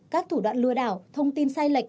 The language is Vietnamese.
các thủ đoạn lừa đảo thông tin sai lệch